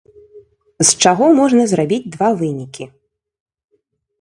З чаго можна зрабіць два вынікі.